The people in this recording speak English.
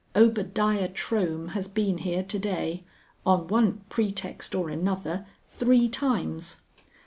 Obadiah Trohm has been here to day, on one pretext or another, three times.